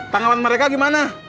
tangkapan mereka gimana